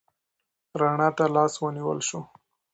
رڼا ته لاس ونیول شو.